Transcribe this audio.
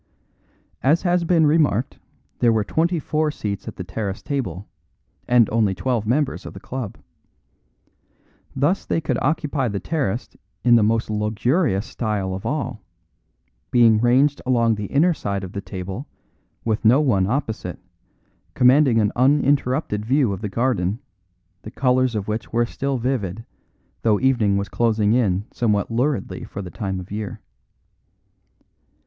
As has been remarked, there were twenty four seats at the terrace table, and only twelve members of the club. Thus they could occupy the terrace in the most luxurious style of all, being ranged along the inner side of the table, with no one opposite, commanding an uninterrupted view of the garden, the colours of which were still vivid, though evening was closing in somewhat luridly for the time of year.